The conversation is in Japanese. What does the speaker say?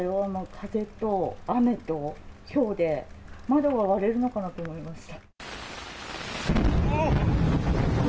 風と雨とひょうで、窓が割れるのかなと思いました。